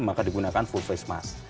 maka digunakan full face mas